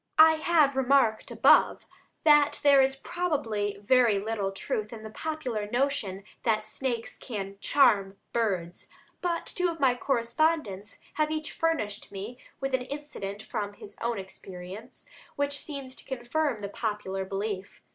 I have remarked above that there is probably very little truth in the popular notion that snakes can "charm" birds. But two of my correspondents have each furnished me with an incident from his own experience, which seems to confirm the popular belief.